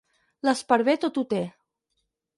L'esparver tot ho té.